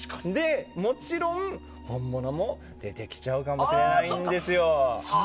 もちろん本物の出てきちゃうかもしれないんですよ。